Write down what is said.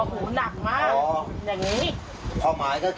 คุณบินก็พยายามให้กำลังใจชวนคุยสร้างเสียงหัวเราะค่ะ